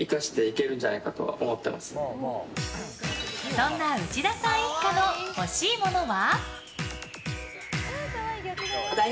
そんな内田さん一家の欲しいものは？